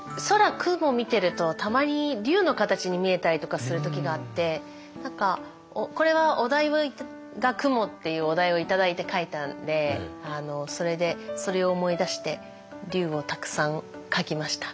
空雲見てるとたまに竜の形に見えたりとかする時があって何かこれはお題が「雲」っていうお題を頂いて描いたんでそれでそれを思い出して竜をたくさん描きました。